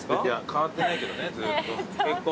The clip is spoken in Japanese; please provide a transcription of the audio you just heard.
変わってないけどねずっと。